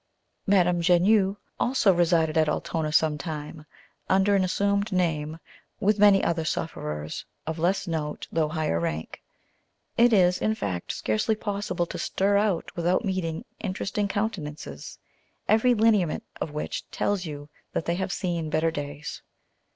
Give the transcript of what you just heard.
Madame Genus also resided at Altona some time, under an assumed name, with many other sufferers of less note though higher rank. It is, in fact, scarcely possible to stir out without meeting interesting countenances, every lineament of which tells you that they have seen better days.